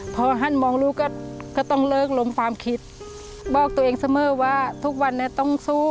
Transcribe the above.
พอหันมองลูกก็ต้องเลิกลมความคิดบอกตัวเองเสมอว่าทุกวันนี้ต้องสู้